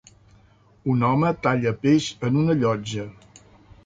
Un home talla peix en una llotja.